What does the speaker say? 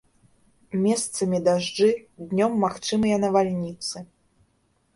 Месцамі дажджы, днём магчымыя навальніцы.